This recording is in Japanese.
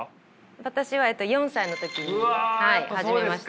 私は４歳の時に始めました。